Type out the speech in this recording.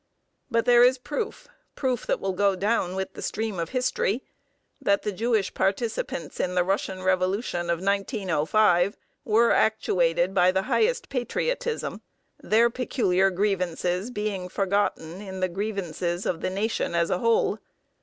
But there is proof, proof that will go down with the stream of history, that the Jewish participants in the Russian revolution of 1905 were actuated by the highest patriotism, their peculiar grievances being forgotten in the grievances of the nation as a whole.